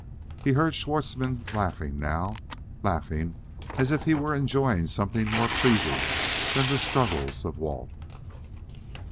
He heard Schwartzmann laughing now, laughing as if he were enjoying something more pleasing than the struggles of Walt.